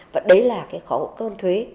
và đấy là cái khó cơm thuế